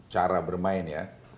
cara bermain ya